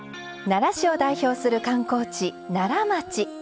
奈良市を代表する観光地奈良町。